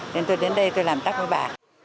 nên tôi đến đây tôi làm tắc với bà